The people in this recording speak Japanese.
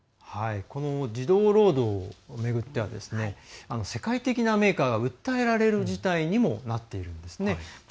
この児童労働を巡っては世界的なメーカーが訴えられる事態にもなっているんです。